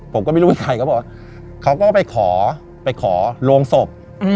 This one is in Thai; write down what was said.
ผมก็ไม่รู้เป็นใครเขาก็บอกว่าเขาก็ไปขอโรงศพ